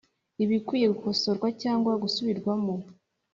ibikwiye gukosorwa cyangwa gusubirwamo